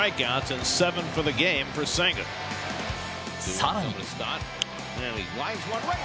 更に。